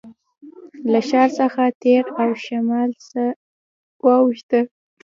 له ښار څخه تېر او شمال ته واوښتو.